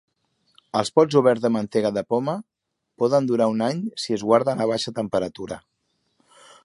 Els pots oberts de mantega de poma poden durar un any si es guarden a baixa temperatura.